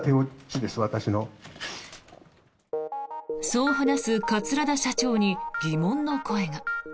そう話す桂田社長に疑問の声が。